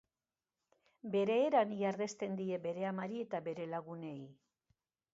Ber maneran ihardesten dio bere amari eta bere lagunei.